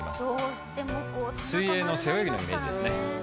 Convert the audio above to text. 水泳の背泳ぎのイメージですね。